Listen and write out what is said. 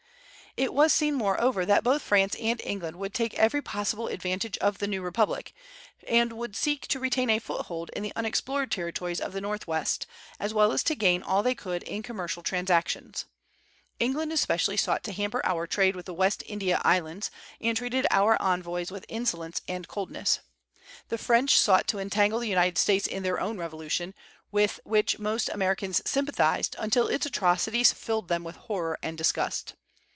It was seen, moreover, that both France and England would take every possible advantage of the new republic, and would seek to retain a foothold in the unexplored territories of the Northwest, as well as to gain all they could in commercial transactions. England especially sought to hamper our trade with the West India Islands, and treated our envoys with insolence and coldness. The French sought to entangle the United States in their own revolution, with which most Americans sympathized until its atrocities filled them with horror and disgust.